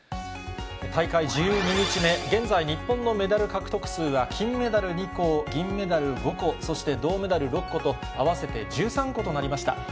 大会１２日目、現在、日本のメダル獲得数は、金メダル２個、銀メダル５個、そして銅メダル６個と、合わせて１３個となりました。